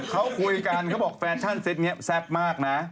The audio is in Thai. เขาคุยกันเขาบอกแฟชั่นเต็ตนี้แซ่บมากนะ